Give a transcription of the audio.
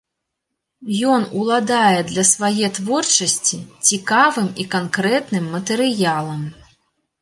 Ён уладае для свае творчасці цікавым і канкрэтным матэрыялам.